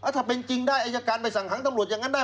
ถ้าเป็นจริงได้อายการไปสั่งหางตำรวจอย่างนั้นได้